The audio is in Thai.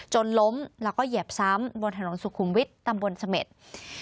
จนล้มแล้วก็เหยียบซ้ำบนถนนสุขุมวิทตำบนสมรรย์